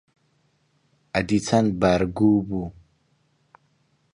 ئەدی چەند بار گوو بوو؟